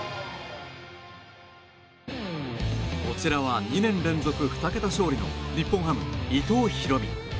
こちらは２年連続２桁勝利の日本ハム、伊藤大海。